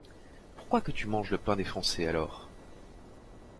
Pourquoi que tu manges le pain des Français, alors?